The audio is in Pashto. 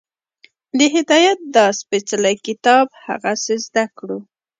د هدایت دا سپېڅلی کتاب هغسې زده کړو